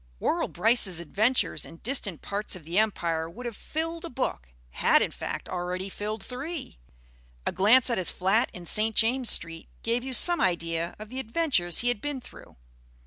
Worrall Brice's adventures in distant parts of the empire would have filled a book had, in fact, already filled three. A glance at his flat in St. James' Street gave you some idea of the adventures he had been through.